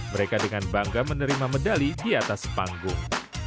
mereka dengan bangga menerima medali di atas panggung